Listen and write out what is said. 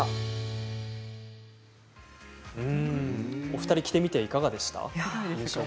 お二人着てみていかがでしたか。